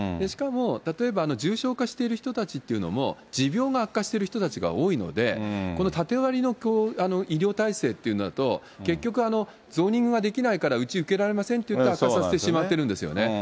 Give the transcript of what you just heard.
しかも、例えば重症化している人たちっていうのも、持病が悪化している人たちが多いので、この縦割りの医療体制っていうのだと、結局、ゾーニングができないから、うち受けられませんっていって悪化させてしまっているんですよね。